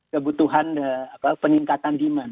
kebutuhan peningkatan demand